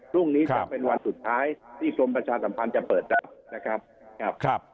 พรุ่งนี้จะเป็นวันสุดท้ายที่กรมประชาสัมพันธ์จะเปิดได้นะครับ